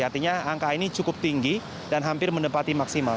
artinya angka ini cukup tinggi dan hampir menempati maksimal